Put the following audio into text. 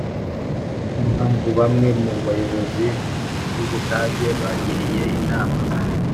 nk impamvu Bamwe mu bayobozi b u Bugande bagiriye inama